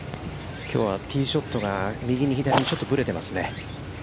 きょうはティーショットが右に左にちょっとぶれてますね。